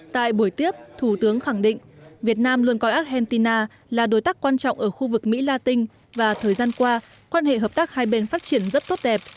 tại buổi tiếp thủ tướng khẳng định việt nam luôn coi argentina là đối tác quan trọng ở khu vực mỹ la tinh và thời gian qua quan hệ hợp tác hai bên phát triển rất tốt đẹp